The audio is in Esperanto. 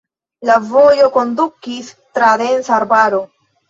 La vojo kondukis tra densa arbaro.